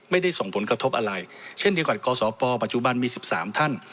ไม่ได้ส่งผลกระทบอะไรเช่นเดียวกับกศปปัจจุบันมี๑๓ท่าน